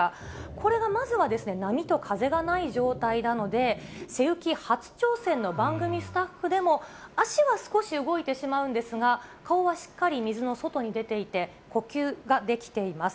これがまずは波と風がない状態なので、背浮き初挑戦の番組スタッフでも、足は少し動いてしまうんですが、顔はしっかり水の外に出ていて、呼吸ができています。